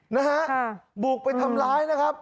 นะฮะบุกไปทำร้ายนะครับ